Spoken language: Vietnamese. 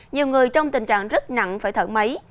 nhiều người trong tình trạng rất nặng phải thở máy